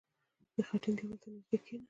• د خټین دیوال ته نژدې کښېنه.